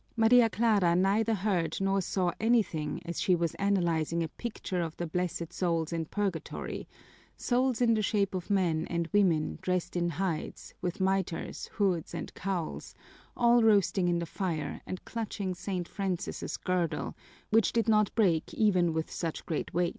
Maria Clara neither heard nor saw anything as she was analyzing a picture, of the blessed souls in purgatory, souls in the shape of men and women dressed in hides, with miters, hoods, and cowls, all roasting in the fire and clutching St. Francis' girdle, which did not break even with such great weight.